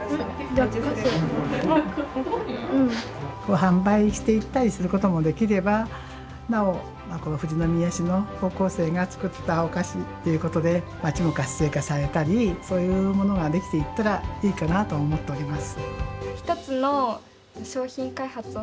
販売していったりすることもできればなおこの富士宮市の高校生が作ったお菓子っていうことで町も活性化されたりそういうものができていったらいいかなと思っております。